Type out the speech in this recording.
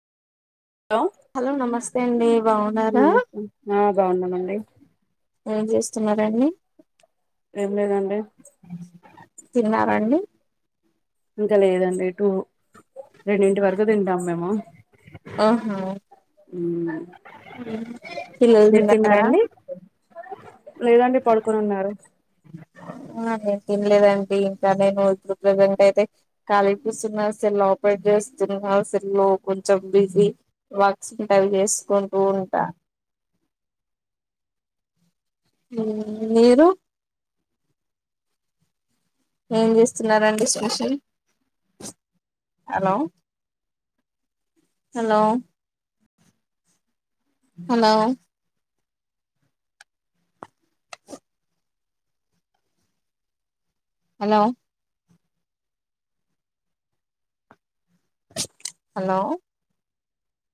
hello నమస్తే అండి బాగున్నారా నమస్తే ఆ బాగున్నానండి ఏం చేస్తున్నారండి అంటేదంటే తిన్నారంండి ఇంకా లేదండి టూ రెండింటి వరకు తింటాము మేము ఆహా పిల్లలు తిన్నారా అండి లేదండి పడుకొని ఉన్నారు అ ఆ నేం తినలేదండి ఇంకా నేను ప్రజెంట్ అయితే కాీపిస్తున్నా సే లోప చేస్తున్నా అసలు కొంచెం బిజీ వర్క్స్ ఉంటావి చేసుకుంటూ ఉంటా మీరు ఏం చేస్తున్నారంండి special hello hello hello hello hello